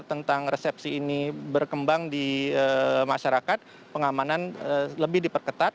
tentang resepsi ini berkembang di masyarakat pengamanan lebih diperketat